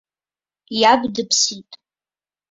Иаб дыԥсит.